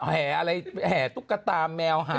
แห่อะไรแห่ตุ๊กตาแมวหา